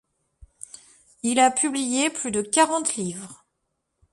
Il a publié plus de quarante livres.